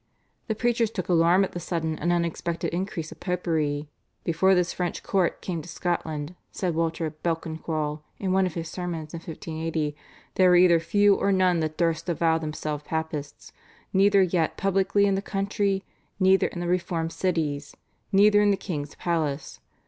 The preachers took alarm at the sudden and unexpected increase of Popery. "Before this French court came to Scotland," said Walter Belcanqual in one of his sermons in 1580 "there were either few or none that durst avow themselves Papists, neither yet publicly in the country, neither in the reformed cities, neither in the king's palace.